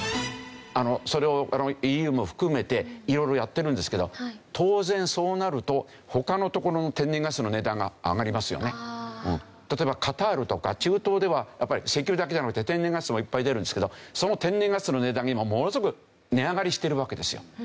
それをＥＵも含めて色々やってるんですけど当然そうなると例えばカタールとか中東ではやっぱり石油だけじゃなくて天然ガスもいっぱい出るんですけどその天然ガスの値段が今ものすごく値上がりしてるわけですよ。